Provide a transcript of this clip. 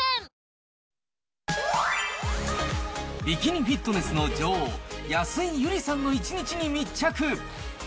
ビキニフィットネスの女王、安井友梨さんの１日に密着。